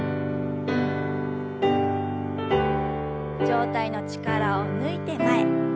上体の力を抜いて前。